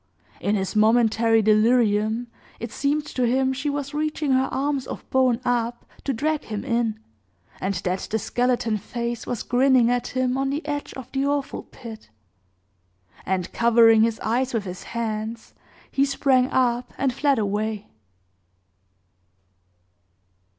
In his momentary delirium, it seemed to him she was reaching her arms of bone up to drag him in, and that the skeleton face was grinning at him on the edge of the awful pit. And, covering his eyes with his hands, he sprang up, and fled away.